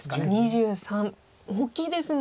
２３大きいですね。